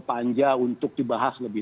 panja untuk dibahas lebih